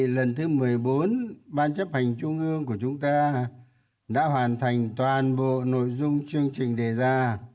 lần thứ một mươi bốn ban chấp hành trung ương của chúng ta đã hoàn thành toàn bộ nội dung chương trình đề ra